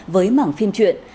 với mảng phim truyện